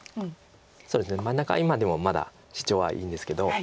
真ん中は今でもまだシチョウはいいんですけど。